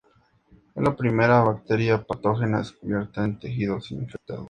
Fue la primera bacteria patógena descubierta en tejidos infectados.